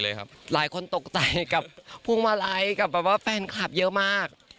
ไม่ได้ไหม้ที่ข้างทางที่มันเป็นที่อันนี้